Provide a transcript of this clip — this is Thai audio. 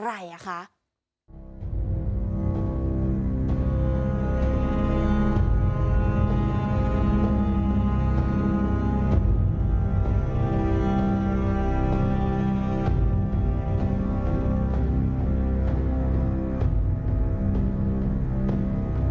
โอ้เราไม่เครื่องล่าง